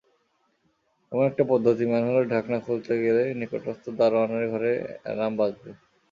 এমন একটা পদ্ধতি, ম্যানহোলের ঢাকনা খুলতে গেলেই নিকটস্থ দারোয়ানের ঘরে অ্যালার্ম বাজবে।